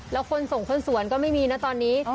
แล้วคนส่งคนสวนก็ไม่มีนะตอนนี้